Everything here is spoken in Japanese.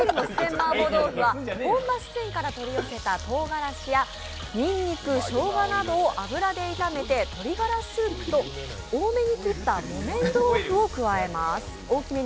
麻婆豆腐は、本場四川から取り寄せた、とうがらしやにんにく、しょうがなどを油で炒めて鶏ガラスープと大きめに切った木綿豆腐を加えます。